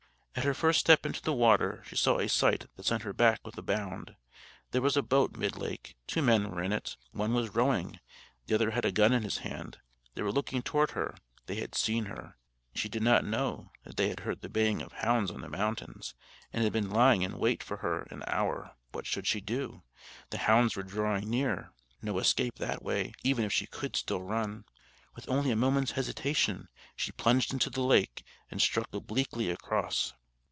At her first step into the water she saw a sight that sent her back with a bound. There was a boat midlake; two men were in it. One was rowing: the other had a gun in his hand. They were looking toward her: they had seen her. (She did not know that they had heard the baying of hounds on the mountains, and had been lying in wait for her an hour.) What should she do? The hounds were drawing near. No escape that way, even if she could still run. With only a moment's hesitation she plunged into the lake, and struck obliquely across.